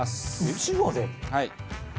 はい。